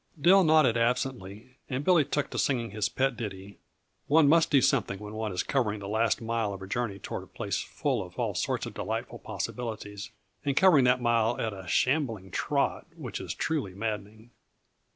Dill nodded absently, and Billy took to singing his pet ditty; one must do something when one is covering the last mile of a journey toward a place full of all sorts of delightful possibilities and covering that mile at a shambling trot which is truly maddening.